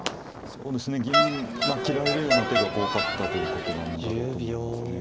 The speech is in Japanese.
そうですね銀切られるような手が怖かったということなんだろうと思いますね。